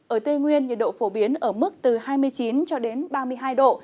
ở tây nguyên nhiệt độ phổ biến ở mức từ hai mươi chín cho đến ba mươi hai độ